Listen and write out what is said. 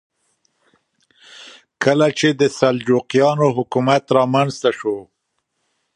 کله چې د سلجوقیانو حکومت رامنځته شو.